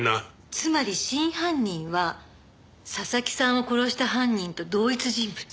つまり真犯人は佐々木さんを殺した犯人と同一人物。